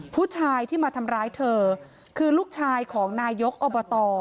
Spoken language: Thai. ผู้ชายที่มาทำร้ายเธอคือลูกชายของนายกอบต